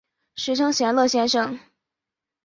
时称闲乐先生。